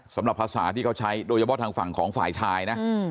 สำหรับภาษาที่เขาใช้โดยเฉพาะทางฝั่งของฝ่ายชายนะ